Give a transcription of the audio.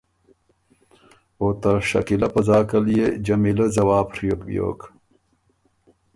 او ته شکیلۀ په ځاکه ليې جمیلۀ ځواب ڒیوک بيوک۔